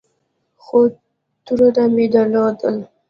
خو ترونه مې درلودل.